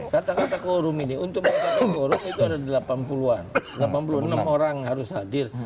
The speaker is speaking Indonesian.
kata kata quorum ini untuk mengatakan forum itu ada delapan puluh an delapan puluh enam orang harus hadir